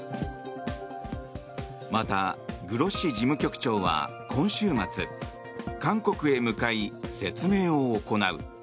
また、グロッシ事務局長は今週末韓国へ向かい説明を行う。